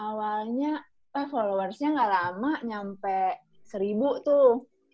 awalnya followersnya gak lama nyampe seribu tuh